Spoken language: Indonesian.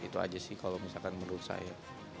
itu aja sih kalau misalkan menurut saya